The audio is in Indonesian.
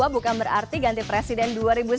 bukan berarti ganti presiden dua ribu sembilan belas